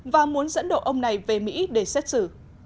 và muốn dẫn độ ông này về mỹ để xét xử